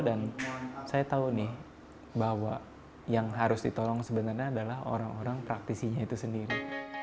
dan saya tahu nih bahwa yang harus ditolong sebenarnya adalah orang orang praktisinya itu sendiri